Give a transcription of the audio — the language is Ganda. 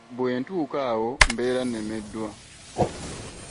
Bwe ntuuka awo mbeera nnemeddwa.